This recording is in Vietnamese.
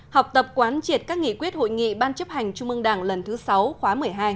học tập quán triệt các nghị quyết hội nghị ban chấp hành trung mương đảng lần thứ sáu khóa một mươi hai